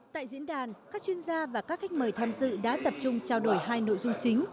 tại diễn đàn các chuyên gia và các khách mời tham dự đã tập trung trao đổi hai nội dung chính